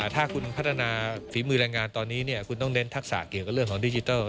ถ้าคุณพัฒนาฝีมือแรงงานตอนนี้คุณต้องเน้นทักษะเกี่ยวกับเรื่องของดิจิทัล